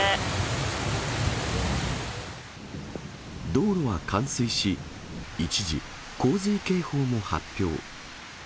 道路は冠水し、一時、洪水警報も発表。